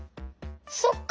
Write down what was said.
そっか！